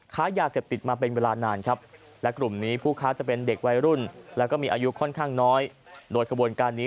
ค้ายาเสพติดมาเป็นเวลานานครับ